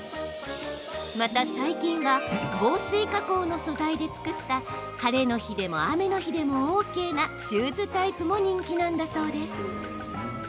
また、最近は防水加工の素材で作った晴れの日でも雨の日でもＯＫなシューズタイプも人気なんだそうです。